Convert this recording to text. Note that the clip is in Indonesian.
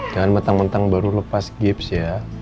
jangan mentang mentang baru lepas gips ya